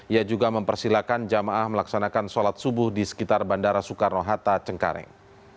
ia juga mempersilahkan jamaah melaksanakan sholat subuh di sekitar bandara soekarno hatta cengkareng